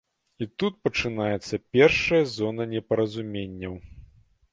І тут пачынаецца першая зона непаразуменняў.